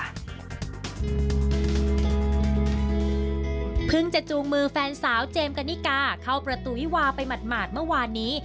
เพิ่งจะจูงมือแฟนสาวเจมส์กันนิกาเข้าประตูวิวาไปหมาดเมื่อวานนี้